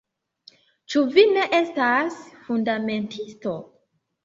Ĉu vi ne estas fundamentisto?